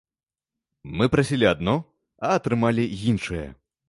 Мы прасілі адно, а атрымалі іншае.